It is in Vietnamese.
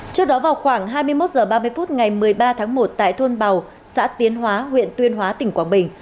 trước đó vào khoảng hai mươi một h ba mươi phút ngày một mươi ba tháng một tại thôn bào xã tiến hóa huyện tuyên hóa tỉnh quảng bình